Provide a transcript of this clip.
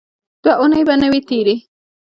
دوه اوونۍ به نه وې تېرې.